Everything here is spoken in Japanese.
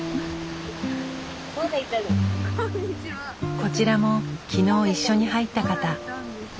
こちらも昨日一緒に入った方。